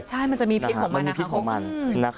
ใช่มันจะไม่มีพิษของมันนะอ๋ออืม